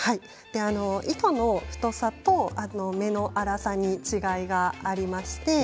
糸の太さと目の粗さに違いがあります。